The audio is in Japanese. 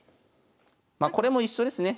まこれも一緒ですね。